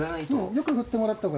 よく振ってもらった方が。